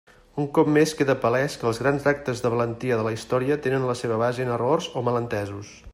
Un cop més queda palès que els grans actes de valentia de la història tenen la seva base en errors o malentesos.